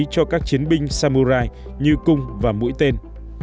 cho các chiến binh samurai như cung và mũi tên